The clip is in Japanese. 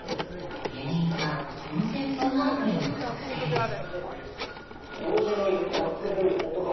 原因は音声通話アプリの特性です。